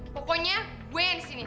pokoknya gue yang disini